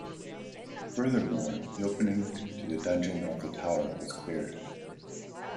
Furthermore, the opening to the dungeon of the tower was cleared.